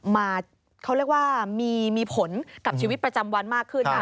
มาเขาเรียกว่ามีผลกับชีวิตประจำวันมากขึ้น